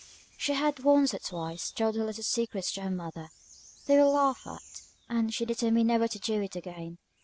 She had once, or twice, told her little secrets to her mother; they were laughed at, and she determined never to do it again.